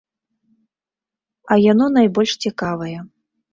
А яно найбольш цікавае.